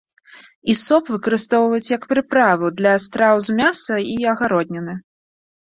Ісоп выкарыстоўваюць як прыправу да страў з мяса і агародніны.